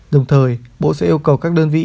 đồng thời bộ sẽ yêu cầu các đơn vị